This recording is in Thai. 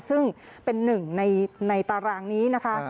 ซึ่งเป็นหนึ่งในตารางนี้นะคะ